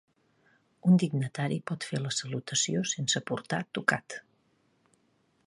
Un dignatari pot fer la salutació sense portar tocat.